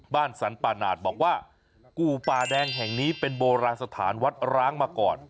บ้านสรรป่าหนาดบอกว่ากู่ป่าแดงแห่งนี้เป็นโบราณสถานวัดร้างมาก่อน